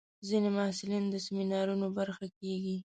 ځینې محصلین د سیمینارونو برخه کېږي.